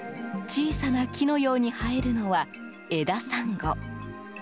小さな木のように生えるのは枝サンゴ。